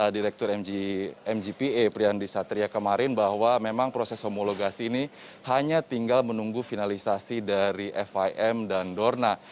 direktur mgpa priandi satria kemarin bahwa memang proses homologasi ini hanya tinggal menunggu finalisasi dari fim dan dorna